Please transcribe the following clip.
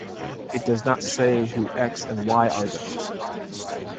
It does not say who X and Y are though.